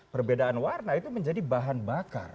perbedaan warna itu menjadi bahan bakar